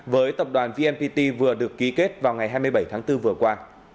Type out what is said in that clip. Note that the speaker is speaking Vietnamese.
với tập đoàn vnpt vừa được ký kết vào ngày hai mươi bảy tháng bốn vừa qua